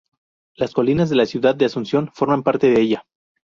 Las colinas de la ciudad de Asunción forman parte de ella.